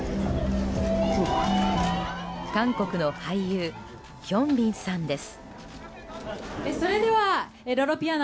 韓国の俳優ヒョンビンさんです。